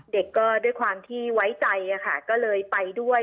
เด็กก็ด้วยความที่ไว้ใจค่ะก็เลยไปด้วย